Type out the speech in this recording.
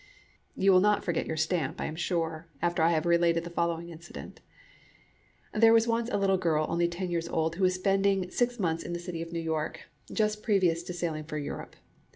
You will not forget your stamp, I am sure, after I have related the following incident: There was once a little girl, only ten years old, who was spending six months in the city of New York, just previous to sailing for Europe.